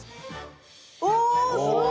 おおすごい！